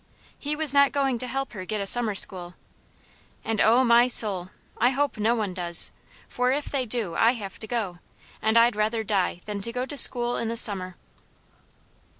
He was not going to help her get a summer school, and O my soul! I hope no one does, for if they do, I have to go, and I'd rather die than go to school in the summer.